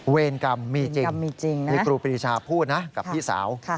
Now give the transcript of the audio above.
เวรกรรมมีจริงนี่ครูปรีชาพูดนะกับพี่สาว